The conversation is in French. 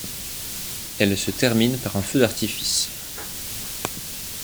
Elle se termine par un feu d'artifice.